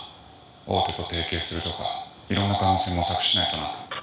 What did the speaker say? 大手と提携するとかいろんな可能性模索しないとな。